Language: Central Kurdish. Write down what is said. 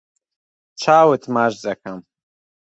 چاوت ماچ دەکەم.